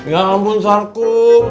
ya ampun sarku